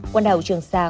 quần đảo trường sa